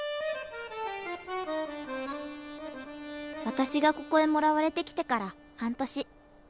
私がここへもらわれてきてから半年。